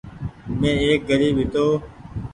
مين ايڪ گريب هيتو ۔